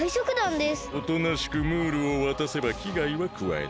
おとなしくムールをわたせばきがいはくわえない。